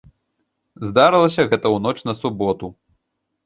Здарылася гэта ў ноч на суботу.